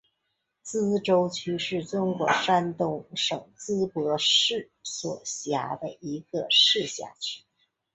淄川区是中国山东省淄博市所辖的一个市辖区。